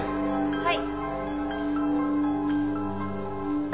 はい。